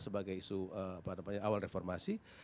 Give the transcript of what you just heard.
sebagai isu awal reformasi